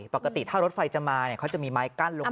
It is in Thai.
ปกติถ้ารถไฟจะมาเขาจะมีไม้กั้นลง